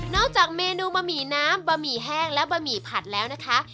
จากเมนูบะหมี่น้ำบะหมี่แห้งและบะหมี่ผัดแล้วนะคะ